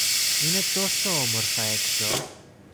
Είναι τόσο όμορφα έξω!